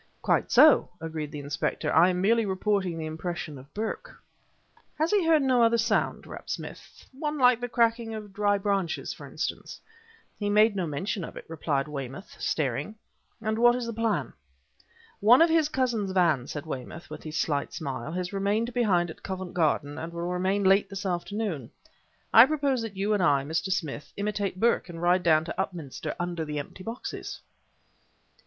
"Quite so," agreed the inspector. "I am merely reporting the impression of Burke." "Has he heard no other sound?" rapped Smith; "one like the cracking of dry branches, for instance?" "He made no mention of it," replied Weymouth, staring. "And what is the plan?" "One of his cousin's vans," said Weymouth, with his slight smile, "has remained behind at Covent Garden and will return late this afternoon. I propose that you and I, Mr. Smith, imitate Burke and ride down to Upminster under the empty boxes!"